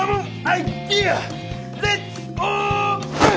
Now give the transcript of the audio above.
レッツオープン！